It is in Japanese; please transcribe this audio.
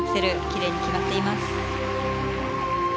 奇麗に決まっています。